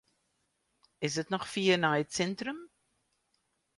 Is it noch fier nei it sintrum?